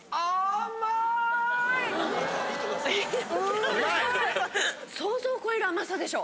・井戸田さん・想像を超える甘さでしょ！